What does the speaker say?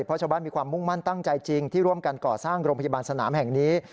เพราะชาวบ้านมีความมุ่งมั่นตั้งใจจริงที่ร่วมกันก่อสร้างโรงพยาบาลสนามแห่งนี้